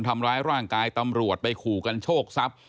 ทำร้ายร่างกายตำรวจไปขู่กันโชคทรัพย์